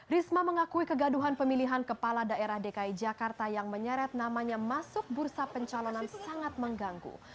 risma mengakui kegaduhan pemilihan kepala daerah dki jakarta yang menyeret namanya masuk bursa pencalonan sangat mengganggu